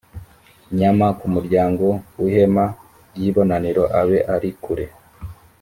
nyama ku muryango w ihema ry ibonaniro abe ari kure